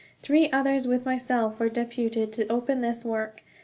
Three others with myself were deputed to open this work.